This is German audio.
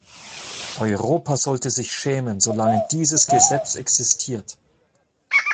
Europa sollte sich schämen, solange dieses Gesetz existiert.